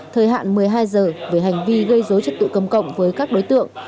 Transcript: thời hạn một mươi hai h về hành vi gây dối trật tự cầm cộng với các đối tượng